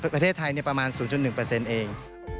ประเทศไทยประมาณ๐๑เอง